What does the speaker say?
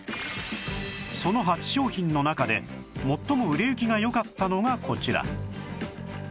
その８商品の中で最も売れ行きが良かったのがこちら